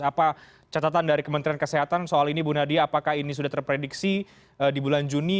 apa catatan dari kementerian kesehatan soal ini bu nadia apakah ini sudah terprediksi di bulan juni